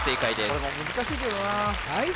これも難しいけどなさい